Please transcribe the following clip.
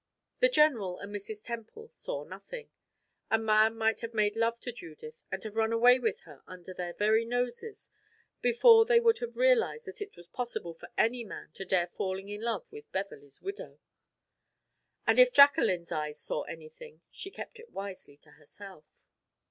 The general and Mrs. Temple saw nothing; a man might have made love to Judith and have run away with her under their very noses before they would have realized that it was possible for any man to dare falling in love with Beverley's widow; and if Jacqueline's eyes saw anything, she kept it wisely to herself.